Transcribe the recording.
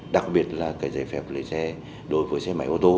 đặc biệt là cái giấy phép lái xe đổi với xe máy ô tô